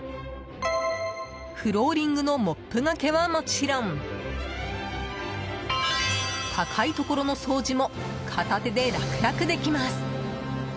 フローリングのモップがけはもちろん高いところの掃除も片手で楽々できます！